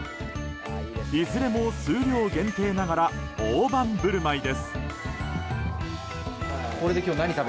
いずれも数量限定ながら大盤振る舞いです。